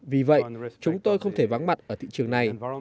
vì vậy chúng tôi không thể vắng mặt ở thị trường này